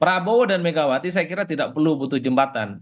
prabowo dan megawati saya kira tidak perlu butuh jembatan